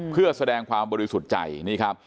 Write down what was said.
เพื่อแสดงความบริสุทธิ์ใจนี่ครับ